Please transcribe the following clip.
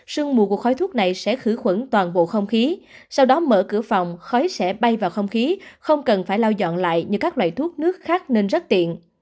sương mù của khói thuốc này sẽ khử khuẩn toàn bộ không khí sau đó mở cửa phòng khói sẽ bay vào không khí không cần phải lau dọn lại như các loại thuốc nước khác nên rất tiện